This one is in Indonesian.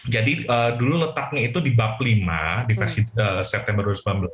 jadi dulu letaknya itu di bab lima di versi september dua ribu sembilan belas